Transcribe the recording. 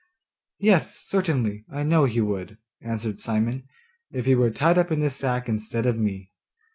'Yes, certainly, I know he would,' answered Simon, 'if you were tied up in this sack instead of me.